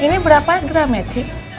ini berapa gram ya cik